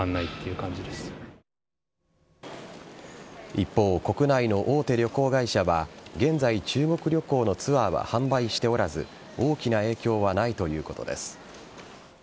一方、国内の大手旅行会社は現在、中国旅行のツアーは販売しておらず大きな影響はないということです。